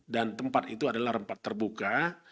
dan tempat itu adalah tempat terbuka